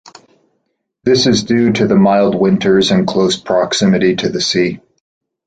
This is due to the mild winters and close proximity to the sea.